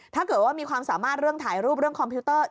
ถ้าเกิดว่ามีความสามารถเรื่องถ่ายรูปเรื่องคอมพิวเตอร์